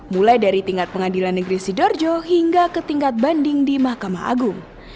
mulai dari tingkat pengadilan negeri sidoarjo hingga ke tingkat banding di mahkamah agung